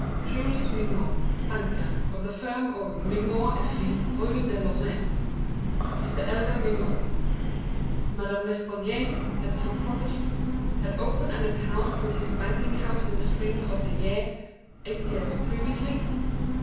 _' "Jules Mignaud, banker, of the firm of Mignaud et Fils, Rue Deloraine. Is the elder Mignaud. Madame L'Espanaye had some property. Had opened an account with his banking house in the spring of the year—(eight years previously).